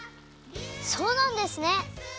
そうなんですね！